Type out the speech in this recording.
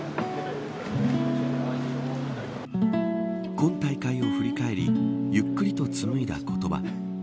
今大会を振り返りゆっくりと紡いだ言葉。